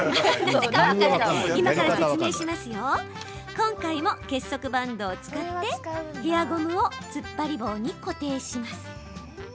今回も結束バンドを使ってヘアゴムをつっぱり棒に固定します。